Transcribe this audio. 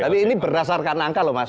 tapi ini berdasarkan angka loh mas